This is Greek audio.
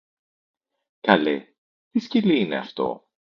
Καλέ, τι σκυλί είναι αυτό;